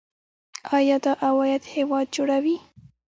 آیا دا عواید هیواد جوړوي؟